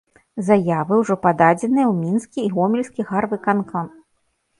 Заявы ўжо пададзеныя ў мінскі і гомельскі гарвыканкамы.